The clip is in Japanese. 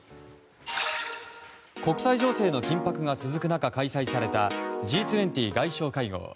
国際情勢の緊迫が続く中開催されたＧ２０外相会合。